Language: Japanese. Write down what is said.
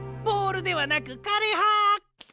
ボールではなくかれは！